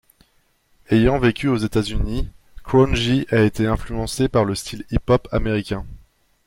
Ayant vécu aux États-Unis, Crown J a été influencé par le style hip-hop américain.